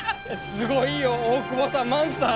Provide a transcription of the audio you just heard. すごいよ大窪さん万さん！